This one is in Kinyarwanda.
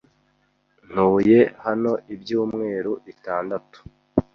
Ntuye hano ibyumweru bitandatu.